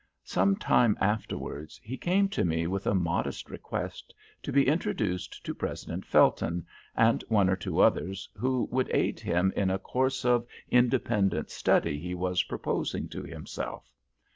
Some time afterwards he came to me with a modest request to be introduced to President Felton, and one or two others, who would aid him in a course of independent study he was proposing to himself.